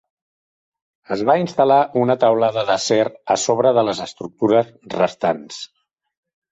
Es va instal·lar una teulada d'acer a sobre de les estructures restants.